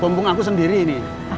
mumpung aku sendiri nih